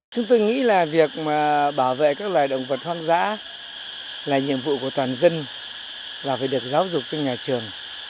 chúng tôi nghĩ là việc bảo vệ các loài động vật hoang dã là nhiệm vụ của toàn dân và phải được giáo dục trên nhà trường